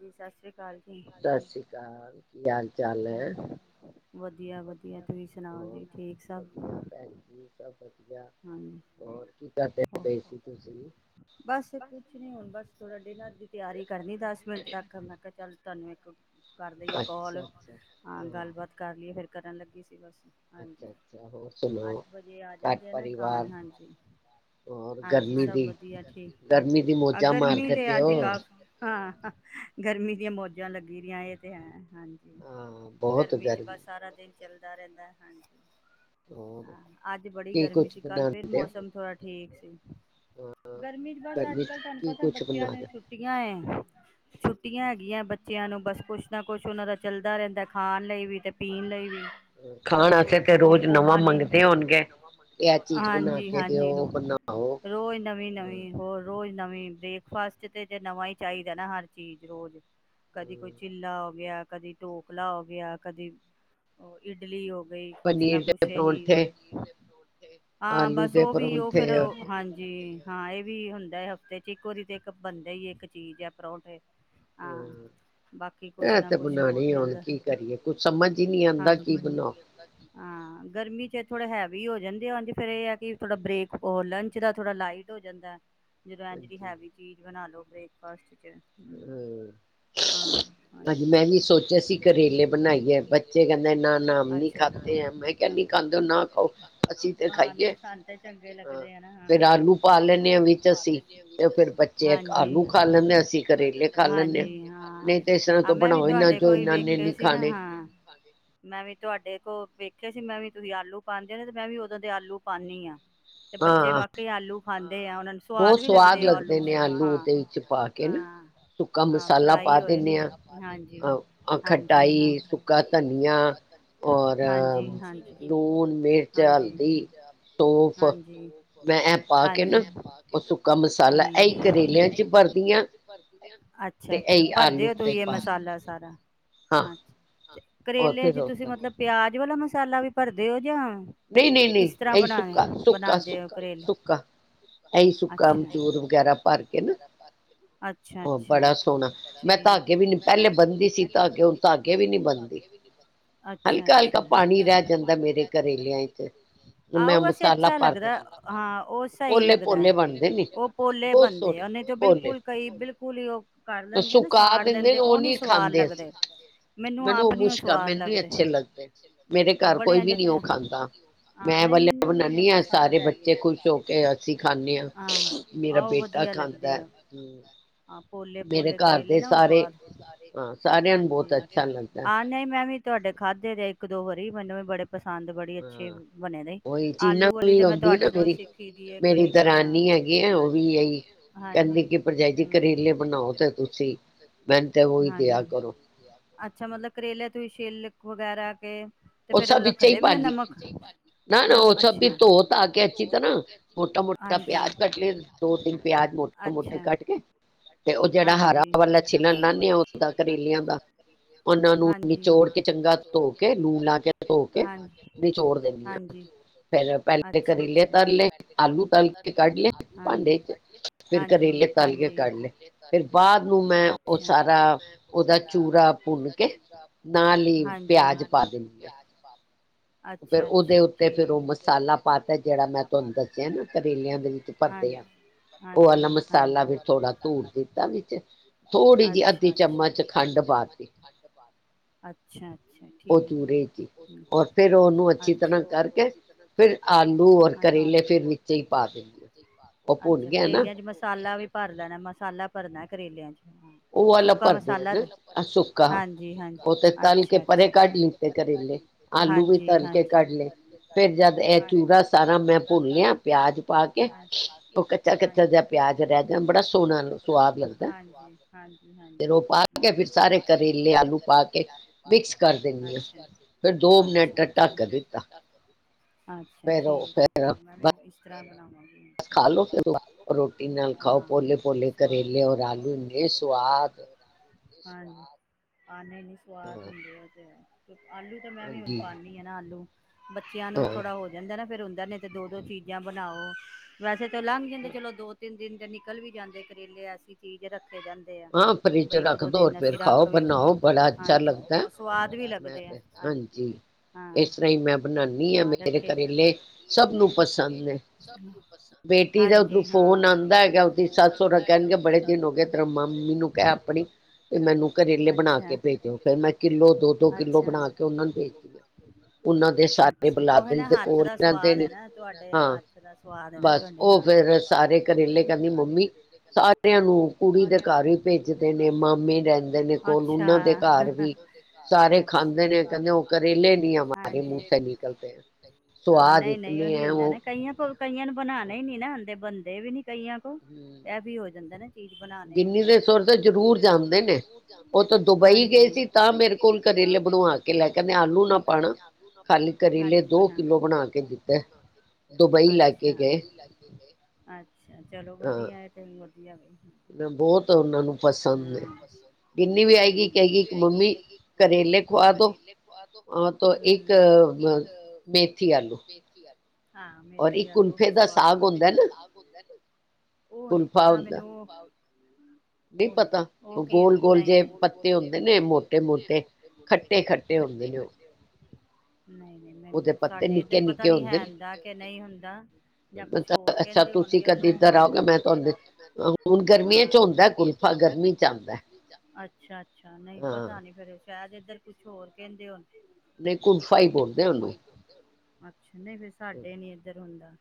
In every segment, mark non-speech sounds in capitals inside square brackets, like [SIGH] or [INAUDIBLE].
ਜੀ ਸਤਿ ਸ਼੍ਰੀ ਸਤਿ ਸ੍ਰੀ ਅਕਾਲ ਕੀ ਹਾਲ ਚਾਲ ਹੈ ਹੋਰ ਵਧੀਆ ਭੈਣ ਜੀ ਸਭ ਵਧੀਆ ਹਾਂਜੀ ਬਸ ਕੁਛ ਨੀ ਹੁਣ ਬਸ ਥੋੜਾ ਡੀਨਰ ਦੀ ਤਿਆਰੀ ਕਰਨੀ ਦਸ ਮਿੰਟ ਤੱਕ ਮੈਂ ਕਿਹਾ ਚੱਲ ਤਨਵੇਕ [INAUDIBLE] ਕਰ ਦੇਈਏ ਕੋਲ, ਆਂ ਗੱਲਬਾਤ ਕਰ ਲਈਏ ਫਿਰ। ਕਰਨ ਲੱਗੀ ਸੀ, ਬਸ। ਅੱਛਾ, ਅੱਛਾ ਹੋ ਸੁਣੋ ਘਟ ਪਰ ਮਕਾਨ, ਹਾਂਜੀ -ਹਾਂਜੀ ਸਭ ਵਧੀਆ, ਠੀਕ ਆ, ਗਰਮੀ ਤੇ ਅੱਜ ਕਾਫ ਹਾਂ। ਗਰਮੀ ਦੀਆਂ ਮੌਜਾਂ ਲੱਗੀ ਰਿਆਂ, ਇਹ ਤੇ ਹੈ। ਹਾਂਜੀ, ਗਰਮੀ ਚ ਬਸ ਸਾਰਾ ਦਿਨ ਚੱਲਦਾ ਰਹਿੰਦਾ, ਹਾਂਜੀ। ਹੋਰ ਕੀ, ਕੁਛ। ਕੱਲ ਫਿਰ, ਮੌਸਮ ਥੋੜਾ ਠੀਕ ਗਰਮੀ ਚ ਬਸ ਅੱਜ- ਕੱਲ੍ਹ ਤੁਹਾਨੂੰ ਪਤਾ, ਬੱਚਿਆਂ ਨੂੰ ਛੁੱਟੀਆਂ, ਛੁੱਟੀਆਂ ਹੈਗੀਆਂ ਬੱਚਿਆਂ ਨੂੰ ਬਸ। ਕੁਛ ਨਾ ਕੁਛ ਉਹਨਾਂ ਦਾ ਚੱਲਦਾ ਰਹਿੰਦਾ, ਖਾਣ ਲਈ ਵੀ, ਤੇ ਪੀਣ ਲਈ ਵੀ। ਖਾਣ ਅਸੀਂ ਤੇ ਰੋਜ਼ ਨਵਾਂ ਮੰਗਦੇ ਹੋਣਗੇ [UNINTELLIGIBLE] ਹਾਂਜੀ -ਹਾਂਜੀ, ਰ ਰੋਜ਼ ਨਵੀਂ ਨਵੀਂ, ਹੋਰ ਰੋਜ਼। ਨਵੀਂ ਬ੍ਰੇਕਫਾਸਟ ਤੇ ਜੇ ਨਵਾਂ ਹੀ ਚਾਹੀਦਾ ਨਾ, ਹਰ ਚੀਜ਼ ਰੋਜ਼। ਕਦੀ ਕੋਈ ਚਿੱਲਾ ਹੋ ਗਿਆ। ਕਦੀ ਢੋਕਲਾ ਹੋ ਗਿਆ, ਕਦੀ ਉਹ ਇਡਲੀ ਹੋ ਬਈ ਕੁਛ ਨਾ ਕੁਛ ਇਹੀ, ਪਨੀਰ ਫ ਹਾਂ, ਬਸ ਉਹ ਵੀ ਉਹ ਫਿਰ ਹਾਂਜੀ। ਹਾਂ ਇਹ ਵੀ ਹੁੰਦਾ ਹਫ਼ਤੇ ਚ, ਇੱਕ ਵਾਰੀ ਤੇ ਇੱਕ ਬਣਦਾ ਹੀ ਇੱਕ ਚੀਜ਼, ਹੈ ਪਰੌਂਠੇ ਹਮ ਇਹ ਤੇ ਬਣਾਣੇ ਏ ਹੁਣ, ਕੀ ਕਰੀਏ ਕੁਛ ਸਮਝ ਹੀ ਨਹੀਂ ਆਉਂਦਾ ਕੀ ਬਣਾਓ? ਹਾਂ ਗਰਮੀ ਚ ਥੋੜਾ ਹੈਵੀ ਹੋ ਜਾਂਦਾ ਹਾਂਜੀ ਫਿਰ ਇਹ ਹੈ ਕਿ, ਥੋੜਾ ਬ੍ਰੇਕ ਉਹ ਲੰਚ ਦਾ ਥੋੜਾ ਲਾਈਟ ਹੋ ਜਾਂਦਾ। ਜਦੋਂ ਐ ਜਿਹੜੀ ਹੈਵੀ ਚੀਜ਼ ਬਣਾ ਲੋੋ। ਬ੍ਰੇਕਫਾਸਟ 'ਚ' ਹਮ ਅੱਜ ਮੈਂ ਵੀ ਸੋਚਿਆ ਸੀ, ਕਰੇਲੇ ਬਣਾਈਏ ਬੱਚੇ ਕਹਿੰਦੇ ਨਾ ਨਮ ਨੀ ਖਾਤੇ ਆ, ਮੈਂ ਕਿਹਾ ਨ ਖਾਂਦੇ ਨਾ ਖਾਓ। ਅਸੀਂ ਹਾਂ ਨਹੀਂ ਸਾਨੂੰ ਤਾਂ ਚੰਗੇ ਲੱਗਦੇ ਹਨ ਹ, ਫਿਰ ਆਲੂ ਪਾ ਲੈਦੇਸੀ ਹਾਂਜੀ। ਹਾਂਜੀ ਹਾਂ, ਆ ਮੈਂ ਵੀ ਤੁਹਾਡੇ ਕੋਲ ਵੇਖੇ ਸੀ ਨਾ, ਹਾਂ ਮੈਂ ਵੀ ਤੁਹਾਡੇ ਕੋਲ ਵੇਖੇ। ਸੀ ਮੈਂ ਵੀ ਤੁਸੀਂ ਆਲੂ ਪਾਉਂਦੇ ਹੋ ਨੇ ਤੇ ਮੈਂ ਵੀ [INAUDIBLE] ਉਦੋਂ ਦੇ ਆਲੂ ਪਾਨੀਂ ਆਂ। ਤੇ ਬੱਚੇ ਵਾਕਈ ਆਲੂ ਖਾਂਦੇ ਆ। ਬਹੁਤ ਸਵਾਦ ਲੱਗਦੇ ਨੇ ਆਲੂ ਦੇ ਵਿੱਚ ਪਾ ਕੇ ਨਾ, ਸੁੱਕਾ ਮਸਾਲਾ ਪਾ ਦਿੰਦੇ ਹਾਂ, ਅ ਖਟਾਈ, ਸੁੱਕਾ ਧਨੀਆ, ਔਰ ਲੂਣ ਮਿਰਚ ਦੀ ਤੋਫ ਮੈਂ ਪਾ ਕੇ ਨਾ, [UNINTELLIGIBLE] ਹੂੰ, ਮਸਾਲਾ ਐਹੀ ਕਰੇਲਿਆਂ ਚ ਭਰਦੀ ਆ, ਅੱਛਾ, ਅੱਛਾ, ਭਰਦੇ ਔ ਤੁਸੀਂ ਏ ਮਸਾਲਾ ਸਾਰਾ। ਅੱਛਾ। ਕਰੇਲੇ ਚ ਤੁਸੀਂ ਮਤਲਬ ਪਿਆਜ ਵਾਲਾ ਮਸ ਮਸਾਲਾ ਵੀ ਭਰਦੇ ਹੋ ਜਾਂ ਨਹੀਂ ਨਹੀਂ। ਏਹੀ ਸੁੱਕਾ-ਸੁੱਕਾ- ਸੁੱਕਾ-ਸੁੱਕਾ, ਐਹੀ ਸੁੱਕਾ ਅਮਚੂਰ ਵਗੈਰਾ ਭਰ ਕੇ ਨਾ ਅੱਛਾ ਅੱਛਾ, ਠੀਕ ਏ, ਮੈਂ ਤਾਗੇ ਵੀ ਪਹਿਲੇ ਬੰਣਦੀ ਸੀ ਤਾਗੇ ਹੁਣ ਧਾਗੇ ਵੀ ਨੀ ਬੰਣਦੀ। ਅੱਛਾ, ਅੱਛਾ, ਮੈਂ ਕਿਆ ਅੱਜ ਕੱਲ ਪਾਣੀ ਰੈ ਜਾਂਦੈ ਮੇਰੇ ਕ ਆਹੋ ਵੈਸੇ ਅੱਛਾ ਲੱਗਦੈ, ਹਾਂ ਔ ਸਹੀ ਲੱਗਦੈ, ਔ ਪੋਲੇ ਬਣਦੇ ਆ, ਓਹ ਨੀਤੇ ਬਿਲਕੁਲ ਕਈ ਬਿਲਕੁ ਕੂਲ ਈ ਔ ਕਰ ਲੈਂਦੇ ਨਾ ਸਾੜ ਲੈਂਦੇ ਔ ਨੀ ਸਵਾਦ ਲੱਗਦੇ, ਮੈਨੂੰ ਆਪ ਨੀ ਓ ਸਵਾਦ ਲੱਗਦੇ, ਬੜੇ ਐਂਜ ਮੈਂ ਐ ਵੱਲੇ ਬਣਾਣੀ ਆਂ ਸਾਰੇ ਬੱਚੇ ਖੁਸ਼ ਹੋ ਕੇ ਅਸੀਂ ਖਾਂਣੇ ਆਂ, ਮੇਰਾ ਬੇਟਾ ਖਾਂਦੈ, ਹੂੰ। ਪੋਲੇ ਪੋਲੇ ਕਰੇਲੇ ਨਾ ਔ ਸਵਾਦ, ਹਾਂਜੀ, ਹਾਂ ਨਹੀਂ ਮੈਂ ਵੀ ਤੁਹਾਡੇ ਖਾਧੇ ਦੇ ਇੱਕ ਦੋ ਵਰੀ ਮਨੂੰ ਵੀ ਬੜੇ ਪਸੰਦ ਬੜੀ ਅੱਛੇ ਬਣੇ ਦੇ ਆਲੂ ਵਾਲੀ ਤੇ ਮੈਂ ਤੁਹਾਡੇ ਕੋਲ ਸਿੱਖੀ ਦੀ ਕੜੇ ਹਾਂ ਹਾਂਜੀ ਹੂੰ ਹਾਂਜੀ, ਅੱਛਾ ਮਤਲਬ ਕਰੇਲੇ ਤੁਸੀਂ ਛਿਲ ਵਗੈਰਾ ਕੇ ਤੇ ਫੇਰ ਉਹ ਲਖਦੇ ਵੀ ਉਹ ਨਮਕ ਨਾ-ਨਾ, ਉਹ ਸਭ ਵੀ ਧੋ ਧਾ ਕੇ ਅੱਛੀ ਤਰ੍ਹਾਂ ਮੋਟਾ ਮੋਟਾ ਪਿਆਜ ਕੱਟ ਲਏ ਦੋ ਤਿੰਨ ਪਿਆਜ ਮੋਟੇ ਮੋਟੇ ਕੱਟ ਕੇ ਹਾਂਜੀ, ਔ ਜੇੜਾ ਹਰਾ ਵਾਲਾ ਛਿੱਲਣ ਲਾਣੀ ਆ ਔਦਾ ਕਰੇਲਿਆਂ ਦਾ, ਹਾਂਜੀ। ਉਹਨਾਂ ਨੂੰ ਨਿਚੋੜ ਕੇ ਚੰਗਾ ਧੋ ਕੇ, ਹਾਂਜ ਧੋਕੇ ਹਾਂਜੀ, ਅੱਛਾ-ਅੱਛਾ, ਫਿਰ ਪਹਿਲੇ ਕਰੇਲੇ ਤੱਲ ਲੲੇ, ਆਲੂ ਤੱਲ ਕੇ ਕੱਢ ਲੇ, ਹਾਂਜੀ, ਹਾਂਜੀ, ਹਾਂਜੀ‌ ਅੱਛਾ, ਫਿਰ ਬਾਦ ਨੂੰ ਮੈਂ ਉਹ ਸਾਰਾ ਓਹਦਾ ਚੂਰਾ ਭੁੰਨ ਕੇ ਹਾਂਜੀ ਨਾਲ ਈ ਪਿਆਜ ਪਾ ਫਿਰ ਓਹਦੇ ਉੱਤੇ ਫਿਰ ਔ ਮਸਾਲਾ ਪਾਤਾ ਜਿਹੜਾ ਮੈਂ ਤੁਹਾਨ ਦੱਸਿਆ ਨਾ ਕਰੇਲਿਆਂ ਦੇ ਵਿੱਚ ਭਰਦੇ ਆ, ਓਹ ਆਲਾ ਮਸਾਲਾ ਫਿਰ ਥੋੜਾ ਧੂੜ ਦਿੱਤ ਪਾਤਾ ਵਿੱਚ ਥੋੜ੍ਹੀ ਜੀ ਅੱਧੀ ਚਮਚ ਖੰਡ ਪਾਤੀ, ਉਹ ਚੂਰੇ ਚ ਹੀ। ਅੱਛ ਫਿਰ ਉਹਨੂੰ ਅੱਛੀ ਤਰ੍ਹਾ ਕਰਕੇ, ਫਿਰ ਆਲੂ ਔਰ ਕਰੇਲੇ ਵਿੱਚ ਹੀ ਪਾ, ਅੱਛਾ, ਹਾਂਜੀ, ਅੱਛਾ ਕਰੇਲਿਆਂ ਚ ਮਸਾਲਾ ਵੀ ਭਰ ਲੈਣਾ, ਮਸਾਲਾ ਭਰਣੈ ਕਰੇਲਿਆਂ ਚ। ਉਹ ਵਾਲਾ ਭਰਦੇ ਆ ਨਾ ਆ ਸੁੱਕਾ ਔ ਤਾ ਤਲ ਕੇ ਪਰੇ ਕੱਢ ਲਿੱਤੇ ਕਰੇਲੇ, ਆਲੂ ਵੀ ਤਲ ਕੇ ਕੱਢ ਲੇ ਫੇਰ ਜਦ ਏ ਚੂਰਾ ਸਾਰਾ ਮੈਂ ਭੁਨ ਲਿਆ ਪਿਆਜ ਪਾ ਕੇ ਉਹ ਕੱਚਾ ਕੱਚਾ ਜਿਆ ਪਿਆਜ ਰੈ ਜਾਣ ਬੜਾ ਸੋਹਣਾ ਹਾਂਜੀ। [UNINTELLIGIBLE] ਬ ਖਾ ਲੋ ਫਿਰ ਰੋਟੀ ਨਾਲ ਖਾਓ ਪੋਲੇ ਪੋਲੇ ਕਰੇਲੇ ਔਰ ਆਲੂ ਇੰਨੇ ਸਵਾਦ ਹਾਂ ਖਾਣੇ ਨੀ ਸਵਾਦ ਹੁੰਦੇ ਉਹਦੇ ਆਲੂ ਤਾਂ ਮੈਂ ਵੀ ਹੁਣ ਪਾਉਦੀ ਹ ਨਾ ਆਲੂ ਬੱਚਿਆਂ ਨੂੰ ਥੋੜਾ ਹੋ ਜਾਂਦਾ ਨਾ ਫਿਰ ਹੁੰਦਾ ਨੇ ਤੇ ਦੋ ਦੋ ਚੀਜ਼ਾਂ ਬਣਾਓ ਵੈਸੇ ਲੰਘ ਜਾਂਦੇ ਚਲੋ ਦੋ ਤਿੰਨ ਦਿਨ ਅਤੇ ਨਿਕਲ ਵੀ ਜਾਂਦੇ ਕਰੇਲੇ ਐਸੀ ਚੀਜ਼ ਰੱਖ ਹਾਂ ਫ੍ਰਿਜ ਰੱਖ ਦੋ ਫੇਰ ਖਾਓ ਬਣਾਓ ਬੜਾ ਅੱਛਾ ਲੱਗਦਾ ਮੈਂ ਤੇ ਹਾਂਜੀ ਇਸ ਤਰ ਹੀ ਮੈਂ ਬਣਾਦੀ ਹਾਂ ਮੇਰੇ ਕਰੇਲੇ ਸਭ ਨੂੰ ਪਸੰਦ ਹੈ ਬੇਟੀ ਦਾ ਉਧੋਂ ਫੋਨ ਆਉਂਦਾ ਹੈਗਾ ਉਹਦੀ ਸੱਤ ਸੌ ਰੱਖ ਕਨ ਗ ਬੜੇ ਦਿਨ ਮੰਮੀ ਨੂੰ ਕਹਿ ਆਪਣੀ ਤੇ ਮੈਨੂੰ ਕਰੇਲੇ ਬਣਾ ਕੇ ਭੇਜੋ ਫਿਰ ਮੈਂ ਕਿੱਲੋ ਦੋ ਦੋ ਕਿੱਲੋ ਬਣਾ ਕੇ ਉਹਨਾਂ ਨੂੰ ਭੇਜਦੀ ਹ ਉਹਨਾਂ ਦੇ ਸਾਰੇ ਬਲਾਦਰੀ ਦੇ ਕੋਲ ਰਹਿੰਦੇ ਨੇ ਹਾਂ ਬਸ ਉਹ ਫੇਿਰ ਸਾਰੇ ਕਰੇਲੇ ਕਹਿੰਦੀ ਮੰਮੀ ਸਾਰਿਆਂ ਨੂੰ ਕੁੜੀ ਦੇ ਘਰ ਵੀ ਭੇਜਦੇ ਨੇ ਮਾਮੇ ਰਹਿੰਦੇ ਨੇ ਕੋਲ ਉਹਨਾਂ ਦੇ ਘਰ ਵੀ ਸਾਰੇ ਖਾਂਦੇ ਨੇ ਕਹਿੰਦੇ ਉਹ ਕਰੇਲੇ ਨੀ ਆ ਮਾਰੇ ਮੂੰਹਸੇ ਨਿਕਲਦੇ ਆ ਸਵਾਦ ਇਤਨੇ ਹੈ ਉਹ ਦੇੇਵਨੀ ਕਈਆਂ ਕੋ ਹੋ ਜਾਂਦਾ ਨਾ ਚੀ ਬਣਾੇ ਵੀ ਨੀ ਆਦੇ ਹਾਂਜੀ ਦੁਬਈ ਗਲੂ ਅਾ ਦੁ ਲ ਗ ਅਛਾ ਚਲੋ [UNINTELLIGIBLE] ਤੇ ਬਲੀ ਵੀ ਆਏਗੀ ਕਰੇਲੇ ਖ ਇੱਕ ਗੱਲ ਹਾਂ ਮੇਥੀ ਆਲੂ ਵੀ ਸਵਾਦ ਬਣ ਹੁਲ ਪਤਾ ਮੈਨੂੰ ਹਮ ਨਹੀਂ ਪਤਾ ਉਹ ਗੋਲ ਗੋਲ ਜੇ ਪੱਤੇ ਹੁੰਦੇ ਨੇ ਮੋਟੇ ਮੋਟੇ ਖੱਟੇ ਖੱਟੇ ਹੁੰਦੇ ਨੇ ਉਹ ਨਹੀਂ ਨਹੀਂ ਮੈਨੂੰ ਸਾਡੇ ਇੱਧਰ ਪਤਾ ਨੀ ਹੈਦਾ ਕਿ ਨਹੀਂ ਹੁੰਦਾ ਜਾਂ ਕੁਛ ਹੋਰ ਕਹਿੰਦੇ ਹੋਣਗੇ ਉਹਨੂੰ ਹਾਂ ਗਰ ਅੱਛਾ ਅੱਛਾ ਨਹੀਂ ਪਤਾ ਨੀ ਫੇਰ [INAUDIBLE] ਅੱਜ, ਏਧਰ ਕੁਜ ਹੋਰ ਕਹਦੇ ਹੋਨੇ ਨਾ। ਨਹੀਂ, ਕੁਲਫ਼ਾਂ ਈ ਬੋਲਦੇ ਉਨੂੰ। ਨਈ, ਨਈ, ਸਾਡੇ ਨਈ ਏਧਰ ਹੁੰਦਾ।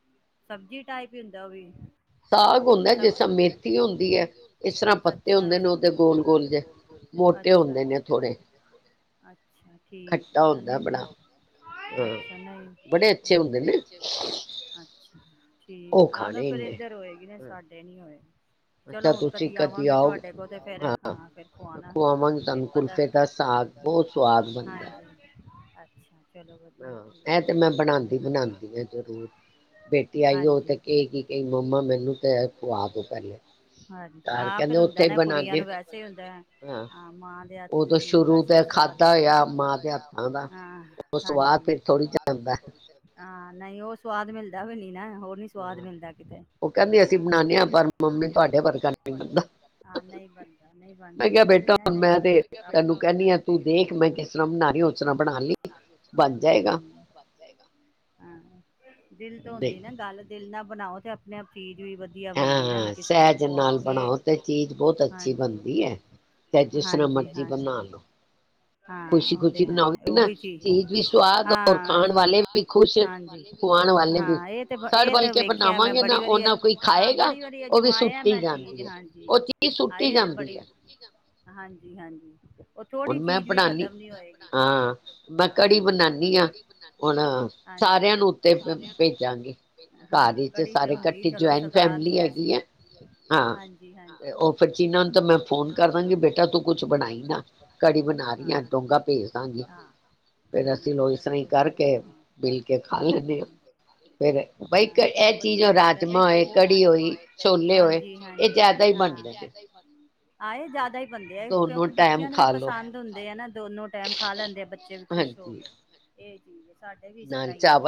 ਸਬਜ਼ੀ, ਟਾਈਪ ਹੀ ਹੁੰਦਾ ਉਹ ਵੀ। ਸਾਗ ਹੁੰ ਹ [INAUDIBLE] ਠੀਕ ਆਹ ਨਾ ਫਿਰ ਇੱਧਰ ਹੋਏਗੀ ਨੇ। ਹੋ। ਚਲੋ ਹੁਣ ਕਦੀ ਆਵਾਂਗੇ ਤੁਹਾਡੇ ਕੋਲ ਤੇ ਫਿਰ ਹਾਂ ਫਿਰ ਆਣਾ ਫਿਰ ਪਤਾ ਹਾਂਜੀ [UNINTELLIGIBLE] ਅੱਛਾ। ਚਲੋ ਵਧੀਆ ਠੀਕ ਹੈ ਹਾਂਜੀ [UNINTELLIGIBLE] ਹਾਂਜੀ, ਆਹ ਫਿਰ ਹੁੰਦਾ ਨਾ ਕੁੜੀਆਂ ਨੂੰ ਵੈਸੇ ਹੀ ਹੁੰਦਾ ਮਾਂ, ਦੇ ਹੱਥ ਦੀ ਚੀਜ਼ ਵੈਸੇ ਹੀ ਸਵਾਦ ਹੁੰਦੀ। ਹਾਂਜੀ ਹਾਂ ਨਹੀਂ ਉਹ [INAUDIBLE] ਸਵਾਦ ਮਿਲਦਾ ਵੀ ਨਈ ਨਾ। ਹੋਰ ਨੀ ਸਵਾਦ ਮਿਲਦਾ ਕਿਤੇ ਨਹੀਂ ਬਣਦਾ ਨਹੀਂ ਬਣ ਸਕ [INAUDIBLE] ਦਿਲ ਹੁੰਦੀ ਨਾ ਗੱਲ ਦਿਲ ਨਾਲ ਬਣਾਓ ਤੇ ਆਪਣੇੀ ਹ ਸਹਿਜ ਨਾਲ ਬਣਾਓ ਤੇ ਚੀਜ਼ ਬਹੁਤ ਅੱਛੀ ਬਣਦੀ ਹੈ ਤੇ ਜਿਸਰ ਮਰਜ਼ੀ ਬਣਾ ਲਓ ਹਾਂ, ਉਹ ਤੇ ਹੈ, ਉਹੀ ਚੀਜ਼ ਹਾਂ ਹਾਂਜੀ, ਹਾਂ ਇਹ ਤੇ ਵੇਖਿਆ ਮੈਂ ਬੜੀ ਵਾਰੀ ਹਾਂ, ਬੜੀ ਵਾਰੀ ਅਜਮਾਇਆਂ ਮੈ, ਹਾਏ ਏ ਤੇ ਬੜੇ - ਹਾਂਜੀ, ਹਾਂਜੀ। ਥੋੜੀ ਚੀਜ਼ ਵੀ ਖਤਮ ਨੀ ਹੋਏਗੀ, [UNINTELLIGIBLE] ਹਜੀਜੀ ਹਾਂਜੀ ਸ ਹਾਂ ਕੜੀ ਤੇ ਹੁੰਦੀ ਜੁਆਇੰਟ ਫੈਮਲੀ ਹੈਗੀ ਹੈ, ਹਾਂ ਤੇ ਉਹ ਚੀਨਾ ਨੂੰ ਤਾਂ ਮੈਂ ਫੋਨ ਕਰ ਦਾਂਗੀ, ਬੇਟਾ ਤੂੰ ਕੁਛ ਬਣਾਈ ਨਾ। ਹਾਂ, ਹਾਂ, ਠੀਕ ਏ। ਹਾਂ, ਚਲੋ ਹਾਂ ਚਲੋ ਵਧੀਆ ਲੱਗਦਾ। [UNINTELLIGIBLE] ਰਾਤ ਗੜ ਹ ਆਏ ਤਾ ਜ਼ਿਆਦਾ ਬੰਦੇ ਆ। ਦੋਨੋ ਟਾਈਮ ਖਾ, ਲੈਂਦੇ ਆ, ਬੱਚੇ ਖੁਸ਼ ਹੋ ਕੇ। ਸਾਡੇ ਵੀ ਇਸ ਤਰ੍ਹਾਂ ਹੀ ਏ।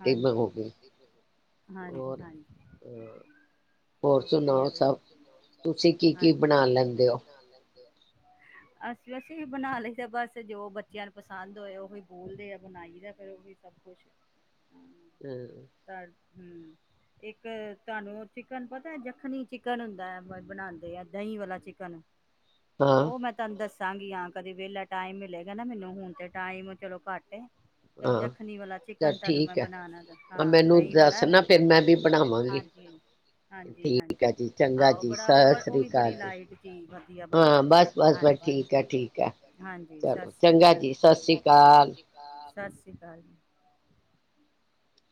ਹਾਂਜੀ ਹਾਂਜੀ ਚਲੋ ਵਧੀਆ ਹੈ ਵੀ ਹਾਂਜੀ ਤੁਸੀਂ ਕੀ ਕੀ ਬਣਾ ਲੈਂਦੇ ਆ ਅਸੀਂ ਅਸੀਂ ਬਣਾ ਲਈ ਦਾ ਬਸ ਜੋ ਬੱਚਿਆਂ ਨੂੰ ਪਸੰਦ ਹੋਏ ਉਹੀ ਬੋਲਦੇ ਆ ਬਣਾਈ ਦਾ ਫਿਰ ਉਹੀ ਸਭ ਕੁਛ ਹੂੰ ਹਮ ਇੱਕ ਤੁਹਾਨੂੰ ਚਿਕਨ ਪਤਾ ਜੱਖਣੀ ਚਿਕਨ ਹੁੰਦਾ ਹੈ ਬਣਾਦੇ ਆ ਦਹੀਂ ਵਾਲਾ ਚਿਕਨ ਉਹ ਮੈਂ ਤਾਨੂੰ ਦੱਸ ਦੱਸਾਂ ਗੀ ਹਾਂ ਕਦੀ ਵਿਹਲਾ ਟਾਈਮ ਮਿਲੇਗਾ ਨਾ ਮੈਨੂੰ ਹੁਣ ਤੇ ਟਾਈਮ ਚਲੋ ਘੱਟ ਤੇ ਜੱਖਣੀ ਵਾਲਾ ਚਿਕਨ ਤਾਨੂੰ ਮੈਂ ਬਣਾਨਾ ਹਾਂ ਦਹੀਂ ਵਾਲਾ ੳਦੋ ਦਸਣਾ ਫੇਰ ਮੈਂ ਬਣਾਵਾ ਗੀ ਹਜੀ ਹਾਂਜੀ ਹਾਂਜੀ ਆਹੋ ਬੜਾ ਉਹ ਵੀ ਬੜ ਲਾਈਟ ਜੀ ਵਧੀਆ ਬੰਨਦਾ ਬਸ ਬਸ ਬਸ ਠੀਕ ਠੀਕ ਹਾਂਜੀ ਸਤਿ ਸ੍ਰੀ ਅਕਾਲ ਚੰਗਾ ਜੀ ਸਤਿ ਸ੍ਰੀ ਅਕਾਲ। ਹਾ ਸਤਿ ਸ੍ਰੀ ਅਕਾਲ ਜੀ